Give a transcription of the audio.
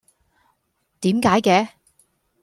點解嘅？